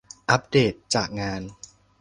อัปเดตจากงาน